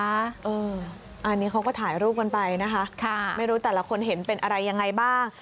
อันนี้เขาก็ถ่ายรูปกันไปนะคะไม่รู้แต่ละคนเห็นเป็นอะไรยังไงบ้าง